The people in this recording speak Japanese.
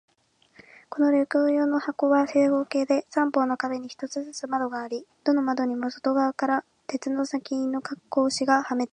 この旅行用の箱は、正方形で、三方の壁に一つずつ窓があり、どの窓にも外側から鉄の針金の格子がはめてあります。